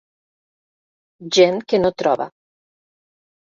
Gent que no troba.